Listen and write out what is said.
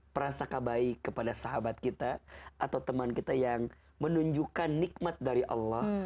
perasakah baik kepada sahabat kita atau teman kita yang menunjukkan nikmat dari allah